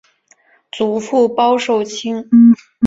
祖父鲍受卿。